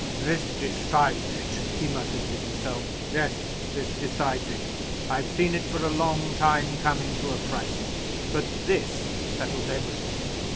"This decides it!" he muttered to himself. "Yes, this decides it! I've seen it for a long time coming to a crisis. But this settles everything."